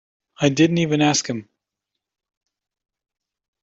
I didn't even ask him.